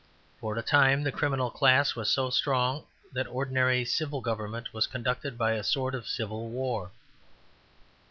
For a time the criminal class was so strong that ordinary civil government was conducted by a sort of civil war.